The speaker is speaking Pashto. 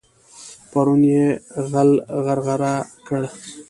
پرون يې غل غرغړه کړ.